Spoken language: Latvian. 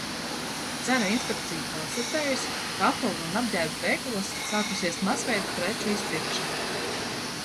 Cenu inspekcija konstatējusi, ka apavu un apģērbu veikalos sākusies masveida preču izpirkšana.